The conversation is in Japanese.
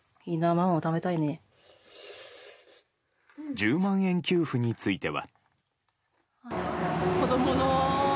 １０万円給付については。